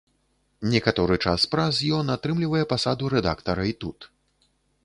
Некаторы час праз ён атрымлівае пасаду рэдактара і тут.